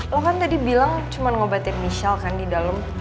lo kan tadi bilang cuma ngobatin michelle kan di dalam